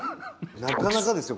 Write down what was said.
なかなかですよ。